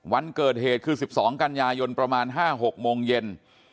วันเกิดเหตุคือ๑๒กันยายนประมาณ๕๖โมงเย็น